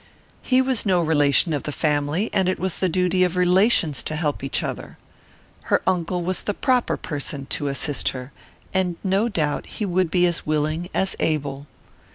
He was no relation of the family, and it was the duty of relations to help each other. Her uncle was the proper person to assist her, and no doubt he would be as willing as able.